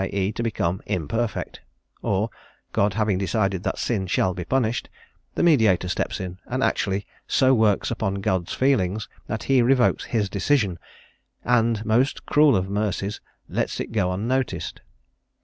e._, to become imperfect; or, God having decided that sin shall be punished, the mediator steps in, and actually so works upon God's feelings that He revokes His decision, and most cruel of mercies lets it go unnoticed.